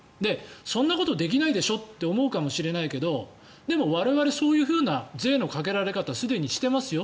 そんなことできないでしょって思うかもしれないけどでも我々そういうふうな税のかけられ方すでにしていますよ。